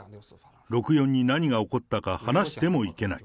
六四に何が起こったか話してもいけない。